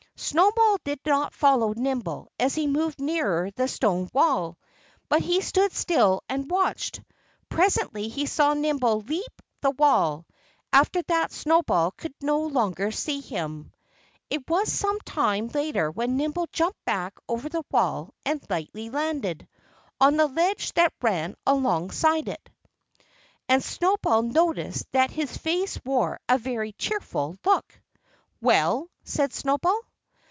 Snowball did not follow Nimble as he moved nearer the stone wall. But he stood still and watched. Presently he saw Nimble leap the wall. After that Snowball could no longer see him. It was some time later when Nimble jumped back over the wall and landed lightly on the ledge that ran alongside it. And Snowball noticed that his face wore a very cheerful look. "Well?" said Snowball.